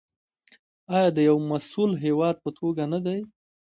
آیا د یو مسوول هیواد په توګه نه دی؟